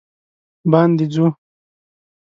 باندې ځو